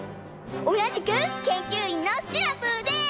おなじくけんきゅういんのシナプーです！